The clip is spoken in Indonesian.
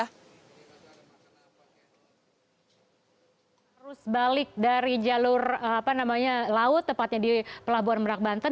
arus balik dari jalur laut tepatnya di pelabuhan merak banten